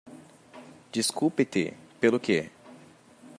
Desculpe-te pelo que?